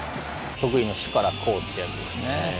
得意の守から攻というやつですね。